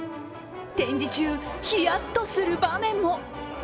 展示中、ひやっとする場面も。